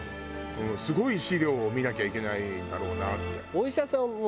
すごい資料を見なきゃいけないんだろうなって。